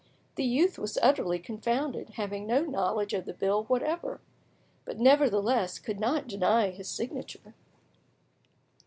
The youth was utterly confounded, having no knowledge of the bill whatever, but nevertheless could not deny his signature.